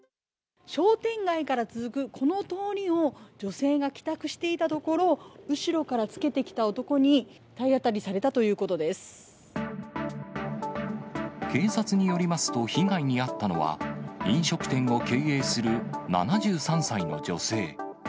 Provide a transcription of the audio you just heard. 商店街から続くこの通りを女性が帰宅していたところ、後ろから付けてきた男に体当たりされた警察によりますと、被害に遭ったのは、飲食店を経営する７３歳の女性。